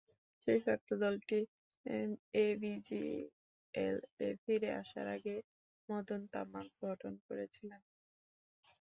শেষোক্ত দলটি এবিজিএল-এ ফিরে আসার আগে মদন তামাং গঠন করেছিলেন।